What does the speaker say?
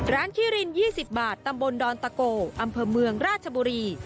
คิริน๒๐บาทตำบลดอนตะโกอำเภอเมืองราชบุรี